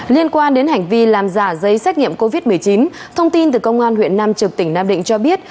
liên quan đến hành vi làm giả giấy xét nghiệm covid một mươi chín thông tin từ công an huyện nam trực tỉnh nam định cho biết